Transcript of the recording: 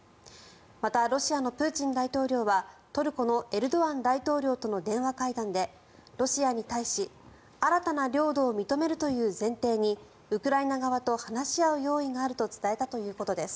また、ロシアのプーチン大統領はトルコのエルドアン大統領との電話会談でロシアに対し新たな領土を認めるという前提にウクライナ側と話し合う用意があると伝えたということです。